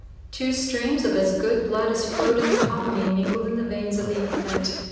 Two streams of as good blood as flowed in the colony mingled in the veins of the infant.